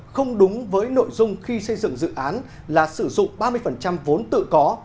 không đúng với nội dung khi xây dựng dự án là sử dụng ba mươi vốn tự có